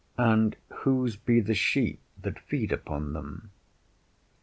And whose be the sheep that feed upon them?